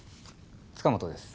塚本です。